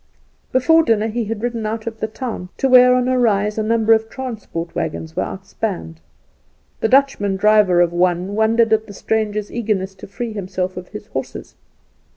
Before dinner he had ridden out of the town to where on a rise a number of transport wagons were outspanned. The Dutchman driver of one wondered at the stranger's eagerness to free himself of his horses.